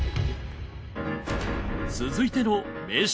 続いての名将